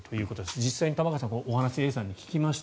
実際に玉川さんＡさんにお話を聞きました。